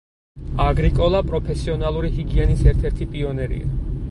აგრიკოლა პროფესიონალური ჰიგიენის ერთ-ერთი პიონერია.